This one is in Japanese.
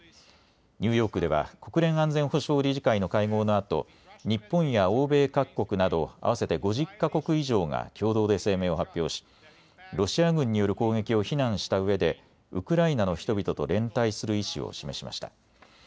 ニューヨークでは国連安全保障理事会の会合のあと日本や欧米各国など合わせて５０か国以上が共同で声明を発表し、ロシア軍による攻撃を非難したうえでウクライナの人々と連帯する意思を示しました。